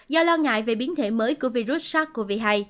do lo ngại về biến thể mới của virus sars cov hai